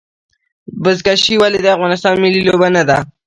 بزکشي ولې د افغانستان ملي لوبه نه ده؟